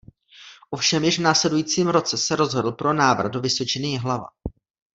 Ovšem již v následujícím roce se rozhodl pro návrat do Vysočiny Jihlava.